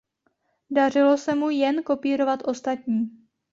Dařilo se mu jen kopírovat ostatní.